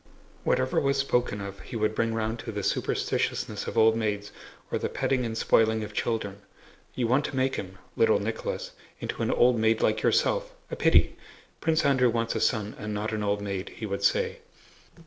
Whatever was spoken of he would bring round to the superstitiousness of old maids, or the petting and spoiling of children. "You want to make him"—little Nicholas—"into an old maid like yourself! A pity! Prince Andrew wants a son and not an old maid," he would say.